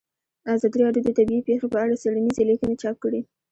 ازادي راډیو د طبیعي پېښې په اړه څېړنیزې لیکنې چاپ کړي.